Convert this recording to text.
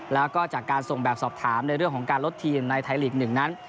แล้วก็จากการส่งแบบสอบถามในเรื่องของการลดทีมในไทยลีก๑นั้น